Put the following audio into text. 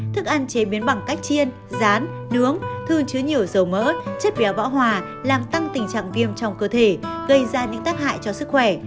thức ăn chế biến bằng cách chiên rán nướng thương chứa nhiều dầu mỡ chất béo bão hòa làm tăng tình trạng viêm trong cơ thể gây ra những tác hại cho sức khỏe